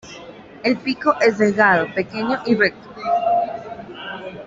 El pico es delgado, pequeño y recto.